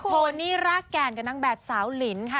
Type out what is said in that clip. โทนี่รากแก่นกับนางแบบสาวลินค่ะ